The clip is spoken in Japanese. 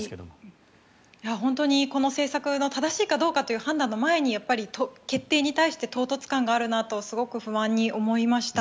この政策が正しいかどうかという判断の前に決定に対して唐突感があると思いました。